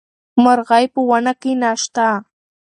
مرغۍ په ونه کې نه شته.